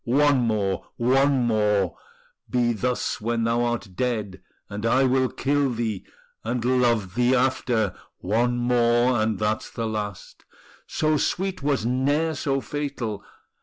one more, one more Be thus when thou art dead, and I will kill thee, And love thee after: One more, and that's the last: So sweet was ne'er so fatal.